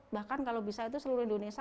bahkan kalau bisa itu seluruh indonesia